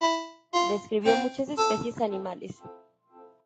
Describió muchas especies animales.